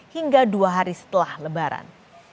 hingga dua hari setelah lebaran